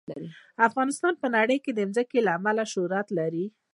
افغانستان په نړۍ کې د ځمکه له امله شهرت لري.